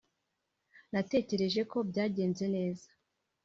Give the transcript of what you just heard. natekereje ko byagenze neza